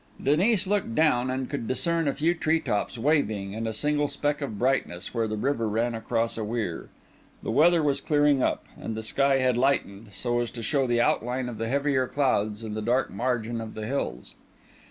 Denis looked down, and could discern a few tree tops waving and a single speck of brightness where the river ran across a weir. The weather was clearing up, and the sky had lightened, so as to show the outline of the heavier clouds and the dark margin of the hills.